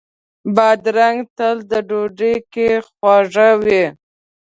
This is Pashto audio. بادرنګ تل په ډوډۍ کې خواږه وي.